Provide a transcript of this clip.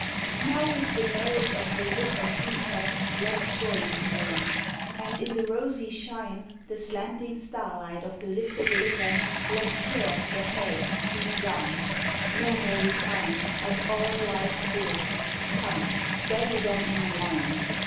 Now with the marriage of the lip and beaker Let Joy be born! and in the rosy shine, The slanting starlight of the lifted liquor, Let Care, the hag, be drowned! No more repine At all life's ills! Come, bury them in wine!